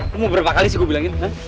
lu mau berapa kali sih gue bilangin